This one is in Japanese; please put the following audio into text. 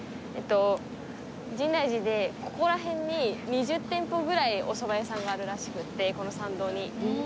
深大寺でここら辺に２０店舗ぐらいおそば屋さんがあるらしくてこの参道に。